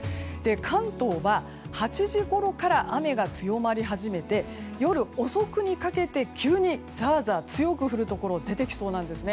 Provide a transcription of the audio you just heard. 関東は８時ごろから雨が強まり始めて夜遅くにかけて急にザーザーと強く降るところが出てきそうなんですね。